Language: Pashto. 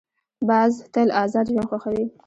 باز تل آزاد ژوند خوښوي